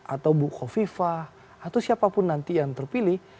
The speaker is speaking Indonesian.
atau bu kofifa atau siapapun nanti yang terpilih